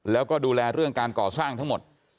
แล้วก็ดูแลเรื่องการก่อสร้างทั้งหมด